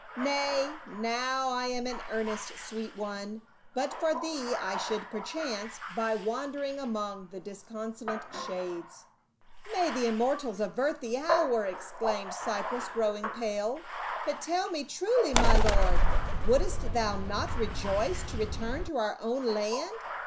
— Nay, now I am in earnest, sweet one, but for thee I should perchance be wandering among the disconsolate shades." " May the immortals avert the hour !" exclaimed Cypros, growing pale. " But tell me truly, my lord, wouldst thou not rejoice to return to our own land